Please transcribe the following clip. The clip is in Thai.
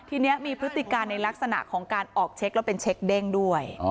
ทีนี้มีพฤติการในลักษณะของการออกเช็คแล้วเป็นเช็คเด้งด้วย